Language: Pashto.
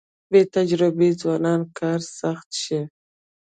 بې تجربې ځوانان کار سخت شي.